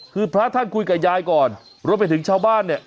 คือพระท่านคุยกับยายก่อนรวมไปถึงชาวบ้านเนี่ย